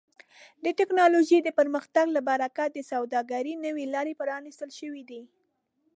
د ټکنالوژۍ د پرمختګ له برکت د سوداګرۍ نوې لارې پرانیستل شوي دي.